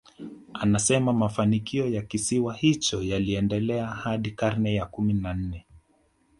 Anasema mafanikio ya kisiwa hicho yaliendelea hadi karne ya kumi na nne